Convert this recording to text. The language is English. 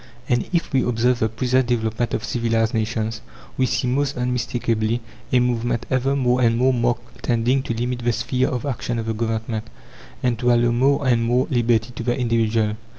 And, if we observe the present development of civilized nations, we see, most unmistakably, a movement ever more and more marked tending to limit the sphere of action of the Government, and to allow more and more liberty to the individual.